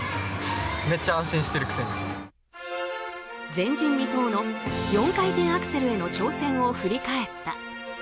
前人未到の４回転アクセルへの挑戦を振り返った。